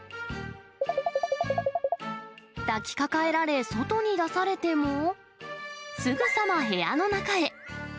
抱きかかえられ、外に出されても、すぐさま部屋の中へ。